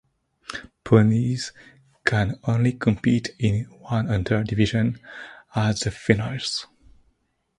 Ponies can only compete in one hunter division at the finals.